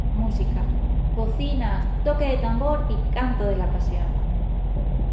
Música: "Bocina, toque de tambor y Canto de la Pasión".